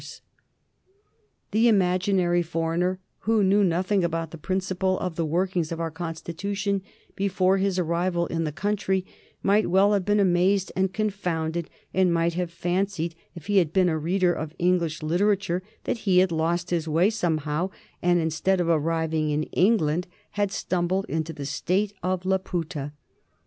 [Sidenote: 1831 The proposed reforms] The imaginary foreigner who knew nothing about the principle of the workings of our Constitution before his arrival in the country might well have been amazed and confounded, and might have fancied, if he had been a reader of English literature, that he had lost his way somehow, and instead of arriving in England had stumbled into the State of Laputa.